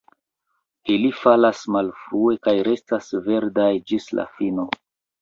Ili falas malfrue kaj restas verdaj ĝis la fino.